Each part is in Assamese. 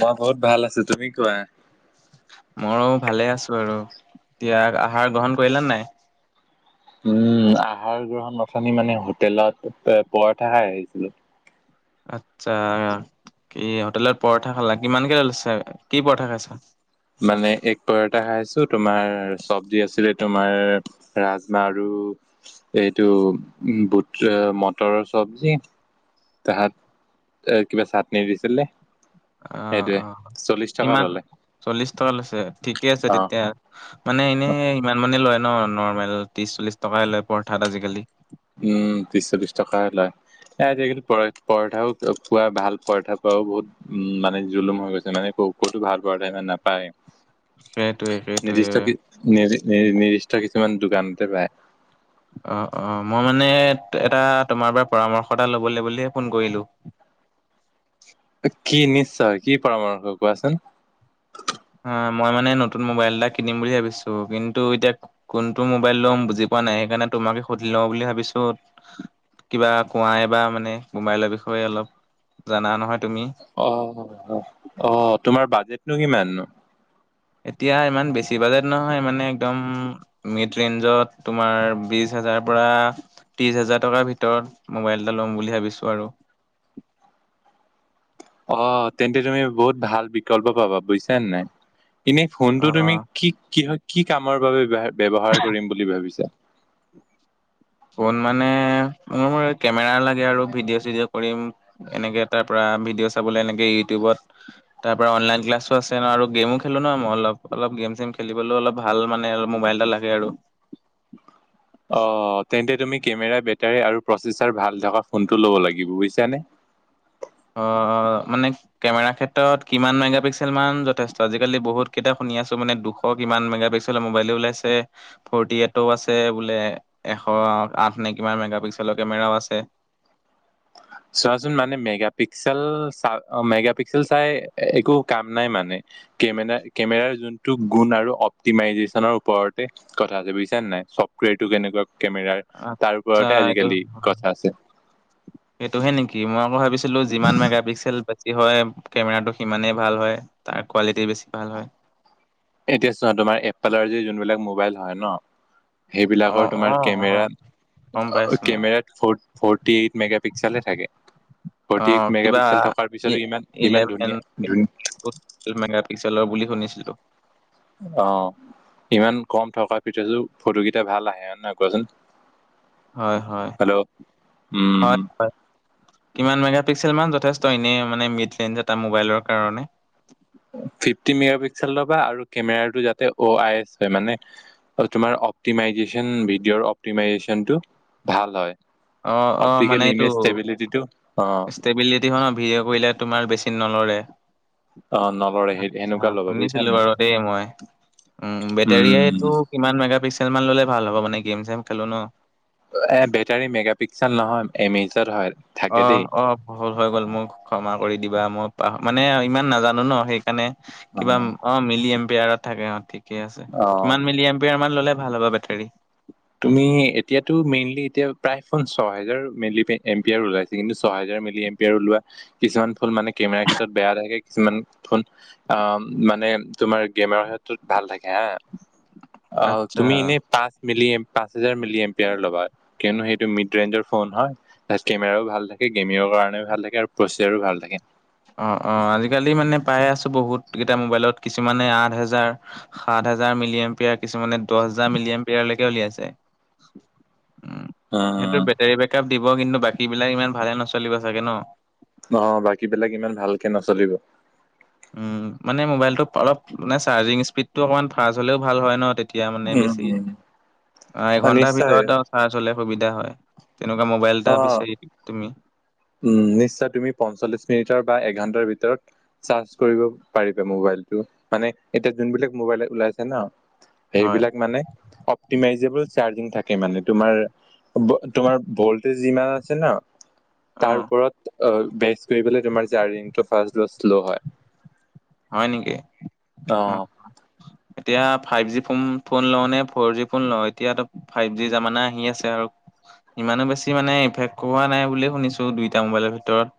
মই বহুত ভাল আছো, তুমি কোৱা। মোৰো ভালেই আছো আৰু, এতিয়া আহাৰ গ্ৰহণ কৰিলা নাই? উম, আহাৰ গ্ৰহণ অথনি মানে হোটেলত পৰঠা খাই আহিছিলো। আচ্ছা কি হোটেলত পৰঠা খালা কিমানকে লৈছে কি পৰঠা খাইচা? মানে এগ্ পৰঠা খাইছো, তোমাৰ চৱজি আছিলে তোমাৰ ৰাজমাহ আৰু এইটো বুট মটৰৰ চবজি। তাত এ কিবা চাটনি দিছিলে। অঁ, সেইটোৱে অঁ চল্লিশ টকা কিমান ললে চল্লিছ টকা লৈছে, ঠিকেই আছে অ তেতিয়া। মানে এনেই ইমান মানে লয় ন নৰ্মেল ত্ৰিশ চল্লিশ টকাই লয় পৰঠাত আজিকালি। উম, তত্ৰিশ চল্লিশ টকা লয়। এ, আজিকালি পৰঠা পোৱা ভাল পৰঠা পোৱাও বহুত উম, মানে জুলুম হৈ গৈছে মানে ক, কতো ভাল পৰঠাও মানে নাপায়। সেইটোৱে, সেইটোৱে। নি, নি, নিৰ্দিষ্ট কিছুমান দোকানতে পায়। অঁ, অ মই মানে এটা তোমাৰ পৰা পৰামৰ্শ এটা ল'বলে বুলিহে ফোন কৰিলো। কি নিশ্চয়, কি পৰামৰ্শ কোৱাচোন। অঁ, মই মানে নতুন মোবাইল এটা কিনিম বুলি ভাবিছো কিন্তু এতিয়া কোনটো মোবাইল লম বুজি পোৱা নাই সেইকাৰণে তোমাকে সুধি লওঁ বুলি ভাবিছো কিবা কোঁৱাই বা মানে মোবাইলৰ বিষয়ে অলপ, জানা নহয় তুমি অ' অ' তোমাৰ বাজেট নো কিমান নো? এতিয়া ইমান বেছি বাজেট নহয় মানে একদম মিড ৰেঞ্জত তোমাৰ বিশ হাজাৰৰ পৰা ত্ৰিছ হোজাৰ টকাৰ ভিতৰত মোবাইল এটা ল'ম বুলি ভাবিছোঁ আৰু অ' তেন্তে তুমি বহুত ভাল বিকল্প পাবা বুজিছা নাই এনেই ফোনটো তুমি অ', কি কিহৰ কি কামৰ বাবে ব্যৱহাৰ ব্যৱহাৰ কৰিম বুলি ভাবিছা? ফোন মানে মোৰ কেমেৰা লাগে আৰু ভিডিঅ' চিডিঅ' কৰিম এনেকে তাৰ পৰা ভিডিঅ' চাবল এনেকে ইউটিউবত তাৰ পৰা অনলাইন ক্লাছো আছে ন গেমো খেলো ন মই অলপ অলপ গেম চেম খেলিবলৈও অলপ ভাল মানে আৰু মোবাইল এটা লাগে আৰু অ' তেন্তে তুমি কেমেৰা বেটাৰী আৰু প্ৰচেচাৰ ভাল থকা ফোনটো ল'ব লাগিব বুজিছানে অ অ মানে কেমেৰা ক্ষেত্ৰত কিমান মেগাপিক্সেল মান যথেষ্ট আজিকালি বহুত কেইটা শুনি আছো মানে দুশ শ, কিমান মেগাপিক্সেলৰ মোবাইলো ওলাইছে। ফৰ্টিএইতো আছে বোলে, এশ আঠ নে কিমান মেগাপিক্সেলৰ কেমেৰাও আছে। চোৱাচোন মানে মেগা পিক্সেল চা মেগা পিক্সেল চাই একো কাম নাই মানে কেমেৰা কেমেৰাৰ যোনটো গুণ আৰু অপ্টিমাইজেচনৰ ওপৰতে কথা আছে বুজিছানে নাই, চফ্টৱেৰটো কেনেকুৱা কেমেৰাৰ তাৰ আচ্ছা ওপৰতে আজিকালি কথা আছে এইটোহে নেকি, মই আকৌ ভাবিছিলো যিমান মেগাপিক্সেল বে হয়, কেমেৰাটো সিমানেই ভাল হয়, তাৰ কোৱালিটি বেছি ভাল হয় এতিয়া চোৱা তোমাৰ এপেলৰ যি যোনবিলাক মোবাইল হয় ন সেইবিলাকৰ অ', তোমাৰ অ', অ', কেমেৰা গম পাইছো [unintelligible] মই কেমেৰাত ফৰ্ট-ফৰ্টি এইট মেগা পিক্সেলেই থাকে ফৰ্টি এইট অ', কিবা মেগাপিক্সেল থকাৰ পিছতো ইমান, ইমান ইলেভেন ধুনীয়া ধুন [unintelligible] মেগা পিক্সেলৰ বুলি শুনিছিলো। অ', ইমান কম থকাৰ পিছতো, ফটো গিটা ভাল আহে, হয় নহয় কোৱাচোন? হয়, হয়, হেল্ল' উম হয় হয়। কিমান মেগাপিক্সেল মান যথেষ্ট ইনে মানে মিথ লেণ্ড এটা মোবাইলৰ কাৰণে? ফিফটি মেগ পিক্সেল ল'বা আৰু কেমেৰাটো যাতে অ আই এছ হয় মানে তোমাৰ অপটিমাইজেশচন, ভিডিঅ'ৰ অপ্টিমাইজেশচনটো ভাল হয়। অ', অ', অপটিকেল ইমেজ ষ্টেবিলিটিটো, অ' [unintelligible] ভিডঅ' কৰিলে তোমাৰ বেছি নলৰে অ নলৰে সেই আচ্ছা, সেনেকুৱা ল'বা বুজিছা শুনিছিলো নে বাৰু দেই মই। উম', বেটাৰি উম সেইটো কিমান মেগা পিক্সেল মান ল'লে ভাল হ'ব? মানে গেম-চেম খেলো ন এ, বেটাৰী মেগা পিক্সেল নহয়, এম এইচ হয়। থাকে দেই অ', অ' ভুল হৈ গ'ল মোৰ ক্ষমা কৰি দিবা, মই পাহ, মানে ইমান নাজানো ন সেই কেনে, অ কিবা অ', মিলি এম্পেয়াৰত থাকে অ', ঠি ঠিকে আছে, অ কিমান মিলি এম পিয়াৰ মান ল'লে ভাল হ'ব বেটোৰী? তুমি এতিয়াতো মেইনলি এতিয়া প্ৰায় ফ- ছহেজাৰ মেইনল এম্পিয়াৰ ওলাইছে, কিন্তু ছহেজাৰ মে ওলোৱা, কিছুমান ফুল মানে কেমেৰাৰ ক্ষেত্ৰত বেয়া থাকে, কিছুমান ফোন অ' মানে তোমাৰ [unintelligible] ক্ষেত্ৰত ভাল থাকে হা। অ', হ, তুমি আচ্ছা এনে পাঁচ মিলি এম পাঁচ হাজাৰ মিলি এমপাৰ ল'বা, কিয়নো সেইটো মিড ৰেঞ্জৰ ফোন হয় তাত কেমেৰাও ভাল থাকে, গেমিঙৰ কাৰণেও ভাল থাকে আৰু প্ৰচিজাৰো ভাল থাকে। অ', অ', আজিকালি মানে পাই আছোঁ বহুত কেইটা মোবাইলত। কিছুমানে আঠ হাজাৰ সাত হাজাৰ মিলি এম পিয়াৰ, কিছুমানে দহ হাজাৰ মিলি এম পিয়াৰলৈকে উলিয়াইছে, উম', সেইটো উম বে বেক আপ দিব, কিন্তু বাকীবিলাক ইমান ভালে নচলিব চাগে ন? অ', বাকীবিলাক ইমান ভালকে নচলিব। উম', মানে মোবাইলটো অলপ মানে চাৰ্জিং স্পীডটো অকণমান ফাৰ্ষ্ট হ'লেও ভাল হয় ন, তে এতিয়া মানে উম বেছি, উম অ', এঘন্টাৰ ভিতৰত আৰু চাৰ্জ হ'লে সুবিধা হয়, তেনেকুৱা মোবাইল এটা অ বিচাৰি তুমি উম', নিশ্চয় তুমি পঞ্চল্লিশ মিনিটৰ বা এঘণ্টাৰ ভিতৰত চাৰ্জ কৰিব পাৰিবা মোবাইলটো, মানে এতিয়া যোনবিলাক মোবাইল ওলাইছে ন হয় সেইবিলাক মানে, অৱ তিমাইজেবল চাৰ্জিং থাকে মানে, তোমাৰ বল-তোমাৰ ভল্ট যিমান আছে ন, তাৰ অ', ওপৰত বেচ কৰিবলৈ তোমাৰ চাৰ্জিংটো ফাৰ্ষ্ট বা শ্ল' হয়। হয় নেকি? অ'। এতিয়া, ফাইভ জি ফোন, ফোন লওঁ নে, ফ'ৰজি ফোন লওঁ? এতিয়াটো দেখোঁ ফাইভ জি জামানা আহি আছে আৰু। ইমানো বেছি মানে, ইফেক্ট কৰোৱা নাই বুলিয়ে শুনিছোঁ দুইটা মোবাইলৰ ভিতৰত।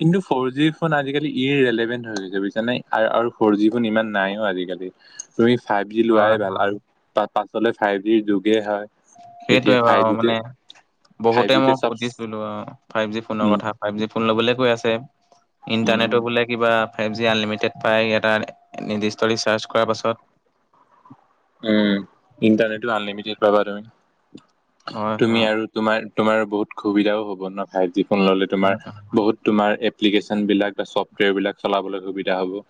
কিন্তু, ফ'ৰ জি ফোন আজিকালি ই ৰেলেভেণ্ট হৈ গৈছে বুজিছানে, আৰ, আৰু ফ'ৰ জি ফোন ইমান নাইয়ো আজিকালি। তুমি ফাইভ জি হয় লোৱাই ভাল, হয়। আৰু পা পাছলৈ ফাইযি যুগে হয়। যেতিয়া সেইটোৱে ফাইভ আৰু জিতে মানে, ফাইভ বহুতে জিতে মই চব সুধিছিলোঁ ফাইভ জি ফোনৰ উম কথা। ফাইভ জি ফোন ল'বলৈ কৈ আছে, উম, ইণ্টাৰনেটো বোলে কিবা ফাইভ জি আনলিমিটেড পায়, এটা নিৰ্দিষ্ট ৰিচাৰ্জ কৰাৰ পাছত। উম, ইণ্টাৰনেটো আনলিমিটেড পাবা তুমি, হয় তুমি হয় আৰু তোমাৰ, তোমাৰ বহুত সুবিধাও হ'ব ন' ফাইভ জি ফোন ল'লে তোমাৰ বহুত তোমাৰ এপ্লিকেশ্যন বিলাক বা চফ্টৱেৰ বিলাক চলাবলৈ সুবিধা হ'ব।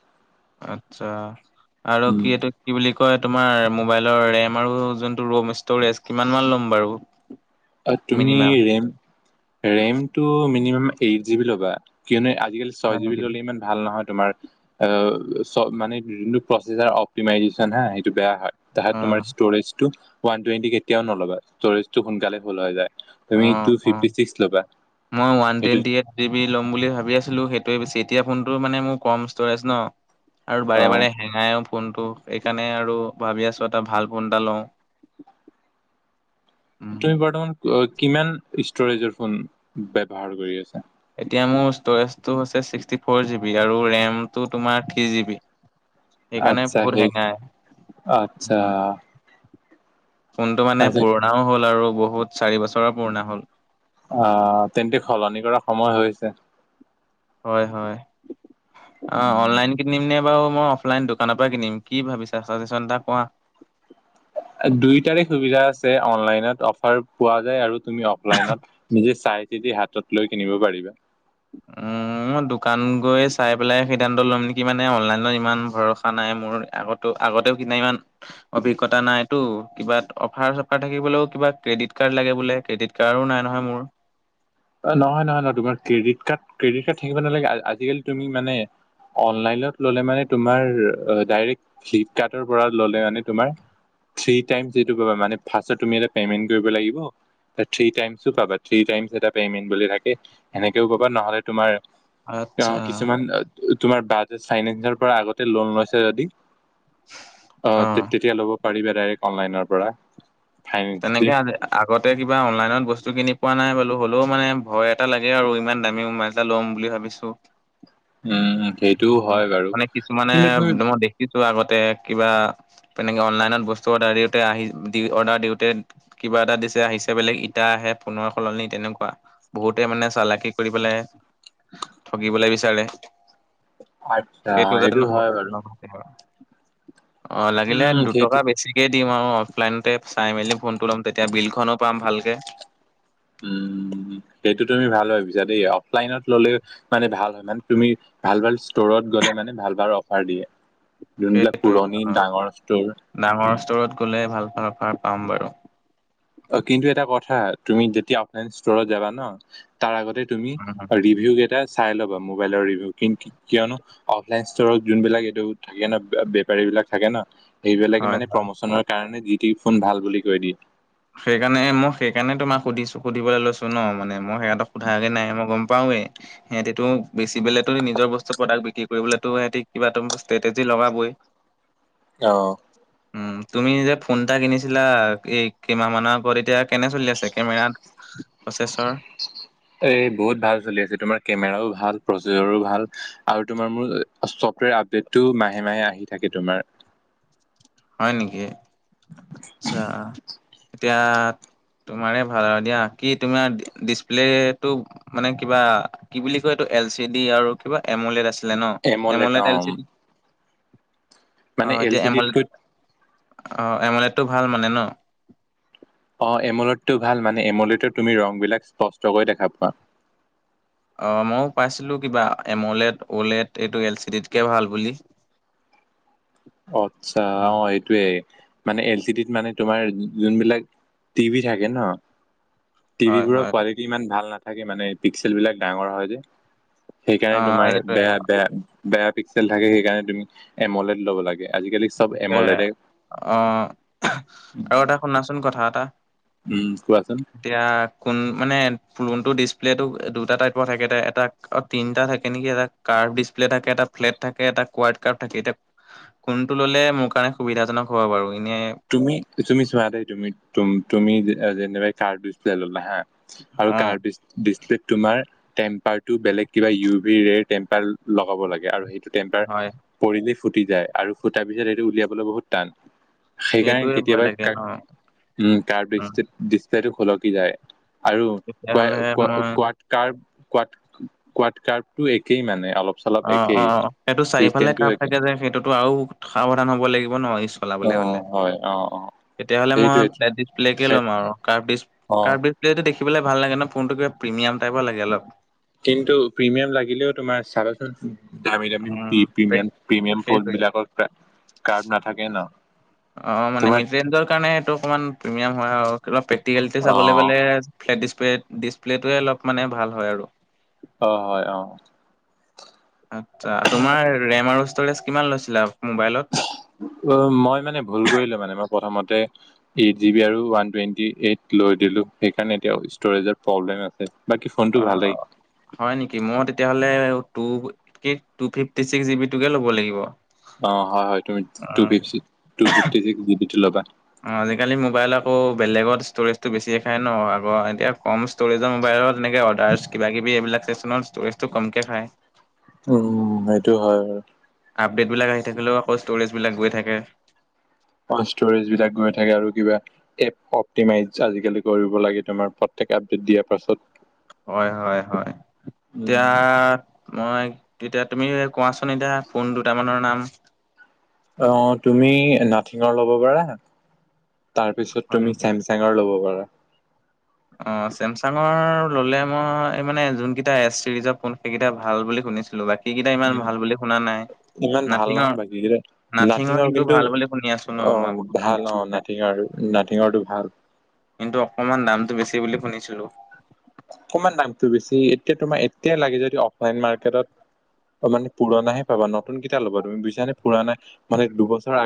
আচ্ছা, আৰু উম, কি এইটো কি বুলি কয় তোমাৰ মোবাইলৰ ৰেম আৰু যোনটো ৰ'ম ষ্টৰেজ, কিমান মান ল'ম বাৰু? [inaudible] অ' তুমি মিনিমাম ৰেম, ৰেমটো মিনিমাম এইট জিবি ল'বা, কিয়নো আজিকালি ছয় হয় জিবি নেকি? ল'লে ইমান ভাল নহয় তোমাৰ, অ' চ-মানে যোনটো প্ৰচেছাৰ অপটিমাইজেশ্যন হা সেইটো বেয়া হয়। তাহাত অ তোমাৰ ষ্টৰেজটো ওৱান টুৱেন্টি কেতিয়াও নোলাবা, ষ্টৰেজটো সোনকালে ফূল হৈ যায়। অ তুমি টু অ। ফিফটি ছিক্স ল'বা, মই ওৱান সেইটো টুৱেণ্টি এইট জি বি ল'ম বুলি ভাবি আছিলোঁ সেইটোৱে বেছি, এতিয়া ফোনটো মানে মোৰ কম ষ্টৰেজ ন'। আৰু বাৰে অ'। বাৰে হেঙাইও ফোনটো, সেইকাৰণে আৰু ভাবি আছোঁ এটা ভাল ফোন এটা লওঁ। [inaudible] উম, তুমি বৰ্তমান অ' কিমান ষ্টৰেজৰ ফোন ব্যৱহাৰ কৰি আছা? এতিয়া মোৰ ষ্টৰেজটো হৈছে ছিক্সটি ফ'ৰ জি বি আৰু ৰেমটো তোমাৰ থ্ৰী জি বি। সেইকাৰণে আচ্ছা বহুত সেই হেঙাই, আচ্ছা উম। ফোনটো মানে আচ্ছা পুৰণাও হ'ল আৰু বহুত চাৰি বছৰ পুৰণা হ'ল। অ' তেন্তে সলনি কৰা সময় হৈছে। হয়, হয়, অ' উম, অনলাইন কিনিম নে বাৰু মই অফলাইন দোকানৰ পৰা কিনিম? কি ভাবিছা চলিউচন এটা কোৱা? দুইটাৰে সুবিধা আছে অনলাইনত অফাৰ পোৱা যায় আৰু তুমি অফলাইনত নিজে চাই চিতি হাতত লৈ কিনিব পাৰিবা। [inaudible] উম, মই দোকান গৈ চাই পেলাই সিদ্ধান্ত ল'ম নেকি মানে অনলাইনত ইমান ভৰসা নাই মোৰ আগত ত' আগতেও কিনা ইমান অভিজ্ঞতা নাইটো, কিবা অফাৰ চফাৰ থাকিবলৈও কিবা ক্ৰেডিট কাৰ্ড লাগে বোলে ক্ৰেডিট কাৰ্ডো নাই নহয় মোৰ। অ' নহয়, নহয়, নহয় তোমাৰ ক্ৰেডিট কাৰ্ড, ক্ৰেডিট কাৰ্ড থাকিব নালাগে, আজিকালি তুমি মানে অনলাইনত ল'লে মানে তোমাৰ অ' ডাইৰেক্ট ফ্লিপকাৰ্টৰ পৰা ল'লে মানে তোমাৰ থ্ৰী টাইম যিটো কৰিবা, মানে ফাৰ্ষ্টে তুমি এটা পেমেণ্ট কৰিব লাগিব। থ্ৰী টাইমছো পাবা, থ্ৰী টাইমছ এটা পেমেণ্ট বুলি থাকে, সেনেকেও পাবা নহ'লে তোমাৰ, আচ্ছা। আহ, কিছুমান তোমাৰ বাজেজ ফাইনেন্সৰ পৰা আগতে লোন লৈছে যদি অ' তে-তেতিয়া ল'ব পাৰিবা ডাইৰেক্ট অনলাইনৰ পৰা। ফাইনেন্স দি তেনেকে [unintelligible] আগতে কিবা অনলাইনত বস্তু কিনি পোৱা নাই বোলো হ'লেও মানে ভয় এটা লাগে আৰু ইমান দামী মোবাইল এটা ল'ম বুলি ভাবিছোঁ। উম, সেইটোও উম, হয় বাৰু মানে কিছুমানে কিন্তু তুমি মই দেখিছোঁ আগতে কিবা তেনেকে অনলাইনত বস্তু অৰ্ডাৰ দিওঁতে আহি দি অৰ্ডাৰ দিওঁতে কিবা এটা দিছে আহিছে বেলেগ ইটা আহে ফোনৰ সলনি তেনেকুৱা। বহুতে মানে চালাকি কৰিব পেলে, ঠগিবলৈ বিচাৰে। আচ্ছা সেইটো যাতে নহয়ক, হয় বাৰু অ' লাগিলে উম, সেইটো দুটকা বেছি। দিম আৰু অফলাইনতে চাই মেলি ফোনটো ল'ম তেতিয়া বিলখনো পাম ভালকে। উম' সেইটো তুমি ভাল ভাবিছা দেই, অফলাইনত ললে। মানে ভাল হয়, মানে তুমি ভাল ভাল ষ্টৰত গ'লে মানে ভাল ভাল অফাৰ দিয়ে। যোনবিলাক সেইটোৱে অ পুৰণি ডাঙৰ ষ্টৰ। ডাঙৰ ষ্টৰত গ'লে ভাল ভাল অফাৰ পাম বাৰু। অ' কিন্তু এটা কথা তুমি যেতিয়া অফলাইন ষ্টৰত যাবা ন, তাৰ আগতে। তুমি উম, ৰিভিউ কেইটা চাই ল'বা, মোবাইলৰ ৰিভিউ কিন। কিয়নো, অফলাইন ষ্টৰত যোনবিলাক এইটো থাকে ন বেপাৰী বিলাক থাকে ন। সেইবিলাকে হয় মানে হয় প্ৰমোচনৰ কাৰণে যি টি ফোন ভাল বুলি কৈ দিয়ে। সেইকাৰণে মই সেইকাৰণে তোমাক সুধিছো সুধিবলে লৈছো ন, মানে মই সেইহঁত সোধাগৈ নাই মই গম। পাওঁ নে। সিহতিতো, বেছি পেলাই নিজৰ বস্তু প্ৰডাক্ট বিক্ৰী কৰিবলৈতো সিহঁতি কিবা এটা ষ্ট্ৰেটেজি লগাবই। আহ'। উম' তুমি যে ফোন এটা কিনিছিলা এই। কিমাহ মানৰ আগত, এতিয়া কেনে চলি আছে কেমেৰা প্ৰচেছৰ? এই বহুত ভাল চলি আছে তোমাৰ কেমেৰাও ভাল প্ৰচেজৰো ভাল আৰু তোমাৰ মোৰ চফ্টৱেৰ আপডেট। টো মাহে মাহে আহি থাকে তোমাৰ। হয় নেকি? আচ্ছা এতিয়া। তোমাৰে ভাল আৰু দিয়া কি তোমাৰ ডিচপ্লেটো। মানে কিবা কি বুলি কয় এইটো, এল চি ডি আৰু কিবা এমলেড আছিলে ন, এমলেট অ' এমলেড এল চি ডি। অ মানে এল এতিয়া চি এমলেট ডিতকৈ। অ' এমলেটো ভাল মানে ন? অ এমোলটো ভাল মানে, এমোলতত তুমি ৰং বিলাক স্পষ্টকৈ দেখা পোৱা। অঁ ময়ো পাইছিলোঁ কিবা, এম অ'লেট, অ'লেট এইটো এল চি ডিতকৈ ভাল বুলি। আচ্ছা' উম, অ সেইটোয়ে মানে, এল চি ডিত মানে তোমাৰ যোনবিলাক। টিভি থাকে ন। হয় টিভিবোৰৰ হয় কোৱালিটি ইমান ভাল নাথাকে মানে পিক্সেল বিলাক ডাঙৰ হয় যে। সেইকাৰণে অ' তোমাৰ এইটোৱে বেয়া বেয়া বেয়া পিক্সেল থাকে সেইকাৰণে তুমি এমলেড ল'ব লাগে। আজিকালি। চব তাকে, এমলেডে আহ' আৰু এটা শুনাচোন কথা এটা। উম' কোৱাচোন। এতিয়া কোন মানে, ফোনটো ডিচপ্লে টো দুটা টাইপৰ থাকে, এটা তিনটা থাকে নেকি, এটা। কাৰ্ভ ডছপ্লে থাকে, এটা ফ্লেট থাকে, এটা কোৱাদ কাৰ্ভ থাকে। এটা সেইটো ল'লে মোৰ কাৰণে সুবিধাজনক হ'ব বাৰু এনেই। তুমি, তুমি চোৱা দেই, তুমি তুমি যেনেবা কাৰ্ভ ডিচ প্লে ললা হা। আৰু অ' কাৰ্বিজ। ডিচপ্লে তোমাৰ টেম্পাৰটো বেলেগ কিবা ইউ ভিৰ ৰেৰ টেম্পাৰ লগাব লাগে, আৰু সেই। টেম্পাৰ হয় পৰিলে ফুটি যায়। আৰু ফুটাৰ পিছত সেইটো উলিয়াবলৈ বহুত টান। সেইকাৰণে সেইটোৱে ভয় লাগে কেতিয়াবা, ন' উম' কাৰ উম, ডিচপ্লেটো সলকি যায়। আৰু তেতিয়াহ'লে [unintelligible] মই কোৱাত। ৰ্কাভ কোৱাত, কোৱাত ৰ্কাভটো একেই মানে অলপ। চলপ অ অ একেই অ সেইটো চাৰিওফালে চিষ্টেমটো ৰ্কাভ একে থাকে যে সেইটোতো আৰু সাৱধান হব লাগিব ন। অ চলাবলৈ হ'লে, হয় অ অ তেতিয়াহ'লে মই সেইটোৱে ফ্লেট ডিছপ্লেকে ল'ম আৰু। অ কাৰ্ফ দেখিবলৈ ভাল লাগে ন, ফোনটো কিবা প্ৰিমিয়াম টাইপৰ লাগে অলপ। কিন্তু প্ৰিমিয়াম লাগিলেও তোমাৰ চাবাচোন দামী দামী প্ৰি উম প্ৰিমিয়াম পেক- প্ৰিমিয়াম পল সেইটোৱে বিলাকৰ কাফ কাৰ্ফ নাথাকে ন অ মানে তোমাৰ মিডৰেঞ্জৰ কাৰণে সেটো অকমান প্ৰিমিয়াম হয় আৰু অলপ প্ৰেক্টিকেল টি অ চাবলৈ গ'লে ফ্লেট ডিচপেট ডিপ্লেটোৱে অলপ মানে ভাল হয় আৰু অ, হয় অ। আচ্ছা, তোমাৰ ৰেম আৰু ষ্ট'ৰেজ কিমান লৈছিলা মোবাইলত অ, মই মানে ভুল কৰিলো মানে মই প্ৰথমতে এইট জিবি আৰু ওৱান টুৱেণ্টি এইট লৈ দিলোঁ সেইকাৰণে এতিয়াও ষ্ট'ৰেজৰ প্ৰব্লেম আছে, বাকী ফোনটো অ ভালেই হয় নিকি মই তেতিয়াহলে two eight two fifty six GB টোকে ল'ব লাগিব অঁ হয় হয় তুমি টু অ, ফিফটিছিস্ক টু ফিফটি ছিক্স জিবিটো ল'বা অ আজিকালি মোবাইল আকৌ বেলেগত ষ্ট'ৰেজতটো বেছি খাই ন, আকৌ এতিয়া কম ষ্ট'ৰেজৰ মোবাইলত তেনেকে অৰ্ডাছ কিবা কিবি এইবিলাক ষ্টিষ্টেমত ষ্টৰেজটো কমকে খায় উম, সেইটো হয় বাৰু আপডেটবিলাক আহি থাকিলেও আকৌ ষ্ট'ৰেজবিলাক গৈ থাকে অ, ষ্ট'ৰেজ বিলাক গৈ থাকে আৰু কিবা এপ অপ্টিমাইজ আজিকালি কৰিব লাগে তোমাৰ প্ৰত্যেক আপডেট দিয়াৰ পাছত হয়, হয়, হয়, উম, এতিয়া মই তেতিয়া তুমি কোৱাচোন এতিয়া ফোন দুটামানৰ নাম অ, তুমি নাথিঙৰ ল'ব পাৰা তাৰপিছত হয় তুমি নেকি? চেমচ চেঙৰ ল'ব পাৰা অ, চেমচাঙৰ ল'লে মই এই মানে যোনকেইটা এছ চিৰিজৰ ফোন সেইকেইটা ভাল বুলি শুনিছিলো বাক সিকিটা ইমান উম, ভাল বুলি শুনা নাই ইমান ভাল নাথিঙৰ নহয় বাকী কিটা নাথিঙৰ কিন্তু ভাল বুলি শুনি আছো ন অ মই বহুত ভাল শুনিছো অ নাথিঙ আৰু নাথিঙৰটো ভাল কিন্তু অকমান দামটো বেছি বুলি শুনিছিলো অকমান দামটো বেছি এতিয়া তোমাৰ এতিয়া লাগে যদি অফলাইন মাৰ্কেটত অ, মানে পুৰণাহে পাবা নতুন কিতা ল'বা তুমি বুইছানে পুৰণা মানে দুবছৰ আগ